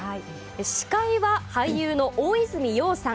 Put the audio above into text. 司会は俳優の大泉洋さん